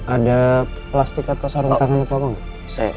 ada plastik atau sarung tangan atau apa pak